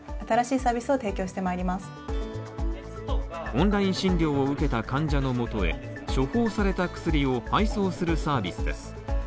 オンライン診療を受けた患者のもとへ処方された薬を配送するサービスです。